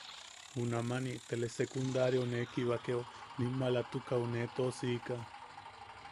Junamani telesecundariau, ne kibakeo nim maalatukaʼu nee tosika.